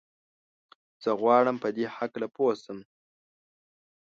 زه غواړم په دي هکله پوه سم.